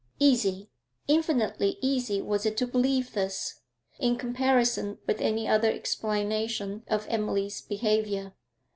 Easy, infinitely easy was it to believe this, in comparison with any other explanation of Emily's behaviour.